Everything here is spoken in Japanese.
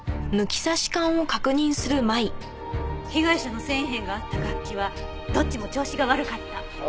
被害者の繊維片があった楽器はどっちも調子が悪かった。